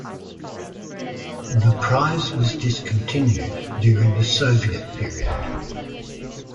The prize was discontinued during the Soviet period.